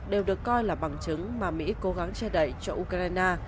đều được coi là bằng chứng mà mỹ cố gắng che đậy cho ukraine